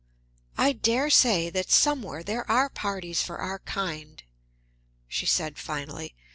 "I dare say that somewhere there are parties for our kind," she said, finally.